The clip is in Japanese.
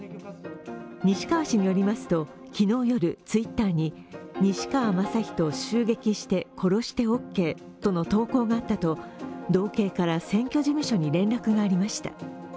西川氏によりますと昨日夜、Ｔｗｉｔｔｅｒに西川将人襲撃して殺してＯＫとの投稿があったと道警から選挙事務所に連絡がありました。